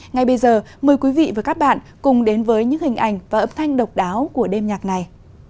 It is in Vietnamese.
ngay bây giờ mời quý vị và các bạn cùng đến với những hình ảnh và âm thanh độc đáo của đêm nhạc này